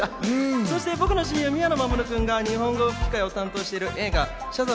そして僕の親友・宮野真守君が日本語版吹き替えを担当している映画『シャザム！